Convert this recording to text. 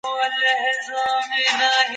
کله به نړیواله ټولنه ګاونډی هیواد تایید کړي؟